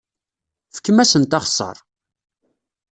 Fkem-asent axeṣṣar!